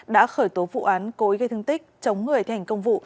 đã khởi tố vụ án cối gây thương tích chống người thi hành công vụ